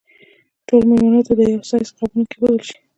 ټولو مېلمنو ته باید د یوه سایز قابونه کېښودل شي.